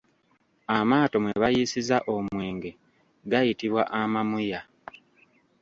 Amaato mwe bayiisizza omwenge gayitibwa amamuya.